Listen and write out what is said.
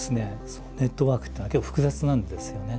ネットワークっていうのは結構複雑なんですよね。